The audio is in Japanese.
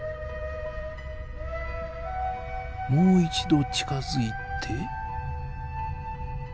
もう一度近づいて。